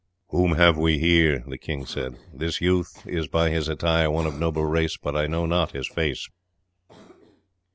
"Whom have we here?" the king said. "This youth is by his attire one of noble race, but I know not his face."